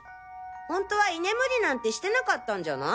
ホントは居眠りなんてしてなかったんじゃない？